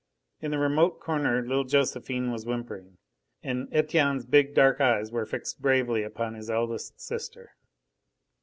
In the remote corner little Josephine was whimpering, and Etienne's big, dark eyes were fixed bravely upon his eldest sister.